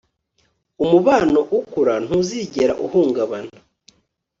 Umubano ukura ntuzigera uhungabana